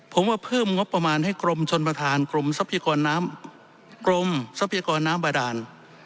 ผมว่าเพิ่มงบประมาณให้กรมชนประธานกรมทรัพยากรน้ำบาดาล